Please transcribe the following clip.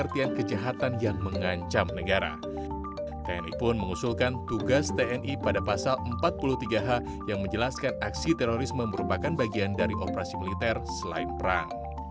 tni marsikal empat puluh tiga h yang menjelaskan aksi terorisme merupakan bagian dari operasi militer selain perang